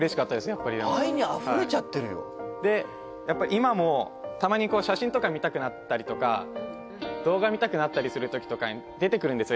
やっぱり愛にあふれちゃってるよでやっぱり今もたまにこう写真とか見たくなったりとか動画見たくなったりするときとかに出てくるんですよ